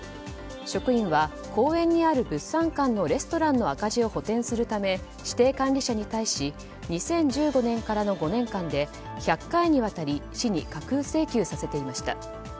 職員は、公園にある物産館のレストランの赤字を補てんするため指定管理者に対し２０１５年からの５年間で１００回にわたり市に架空請求させていました。